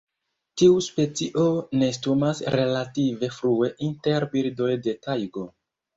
Tiu specio nestumas relative frue inter birdoj de Tajgo.